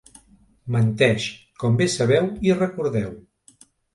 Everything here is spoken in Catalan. Menteix, com bé sabeu i recordeu.